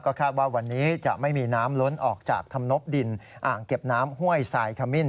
คาดว่าวันนี้จะไม่มีน้ำล้นออกจากธรรมนบดินอ่างเก็บน้ำห้วยทรายขมิ้น